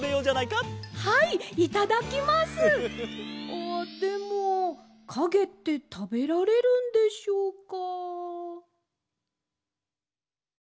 あっでもかげってたべられるんでしょうか？